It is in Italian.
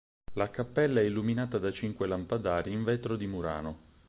La cappella è illuminata da cinque lampadari in vetro di Murano.